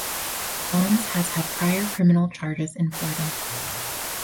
Jones has had prior criminal charges in Florida.